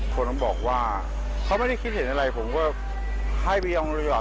จะปลอมหรืออย่างไรผมก็จะเก็บไว้